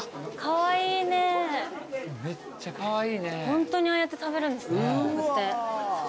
ホントにああやって食べるんですね。